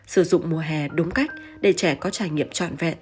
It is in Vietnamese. sử dụng mùa hè đúng cách để trẻ có trải nghiệm trọn vẹn